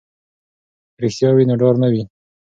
که رښتیا وي نو ډار نه وي.